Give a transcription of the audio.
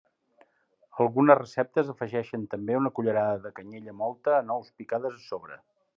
Algunes receptes afegeixen també una cullerada de canyella mòlta o nous picades a sobre.